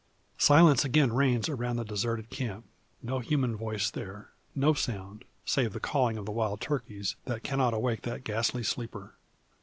Silence again reigns around the deserted camp; no human voice there no sound, save the calling of the wild turkeys, that cannot awake that ghastly sleeper.